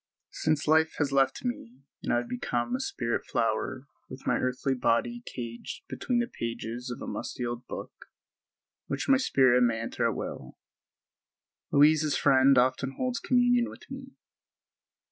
Since life has left me and I have become a spirit flower with my earthly body caged between the pages of a musty old book, which my spirit may enter at will, Louise's friend often holds communion with me.